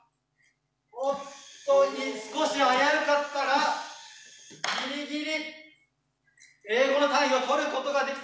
おっと少し危うかったがギリギリ英語の単位を取ることができた。